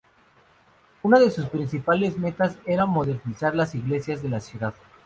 Una de sus principales metas era modernizar las iglesias de la ciudad.